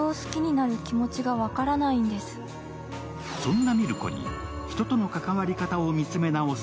そんな海松子に人との関わり方を見つめ直す